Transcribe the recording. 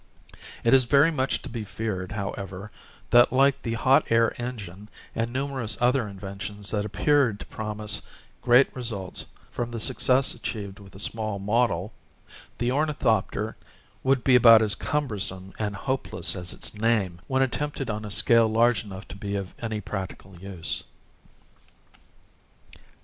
It is very much to be feared, however, that like the hot air engine and numerous other inventions that appeared to promise great results from the success achieved with a small model, the ornithopter would be about as cumbersome and hopeless as its name, when attempted on a scale large enough to be of any practical use.